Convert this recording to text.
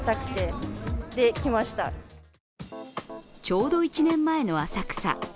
ちょうど１年前の浅草。